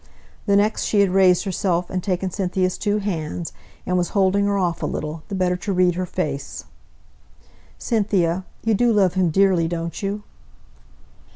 The next she had raised herself, and taken Cynthia's two hands, and was holding her off a little, the better to read her face. [Illustration: "OH! IT IS NO WONDER!"] "Cynthia! you do love him dearly, don't you?"